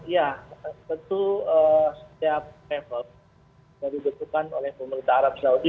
ya tentu setiap level yang dibutuhkan oleh pemerintah arab saudi